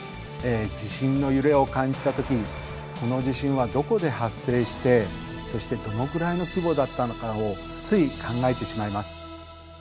地震の揺れを感じた時この地震はどこで発生してそしてどのくらいの規模だったのかをつい考えてしまいます。